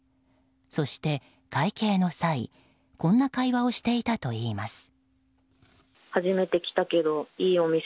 そして、会計の際こんな会話をしていたといいます。